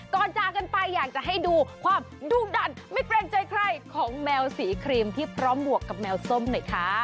จากกันไปอยากจะให้ดูความดุดันไม่เกรงใจใครของแมวสีครีมที่พร้อมบวกกับแมวส้มหน่อยค่ะ